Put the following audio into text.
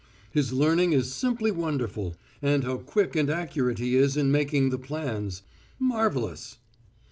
His learning is simply wonderful. And how quick and accurate he is in marking the plans marvellous!"